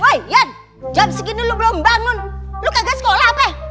woy yan jam segini lo belum bangun lo kagak sekolah apa